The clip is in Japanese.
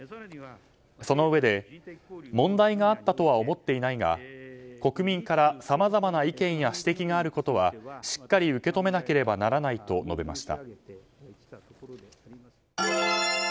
そのうえで問題があったとは思っていないが国民から、さまざまな意見や指摘があることはしっかり受け止めなければならないと述べました。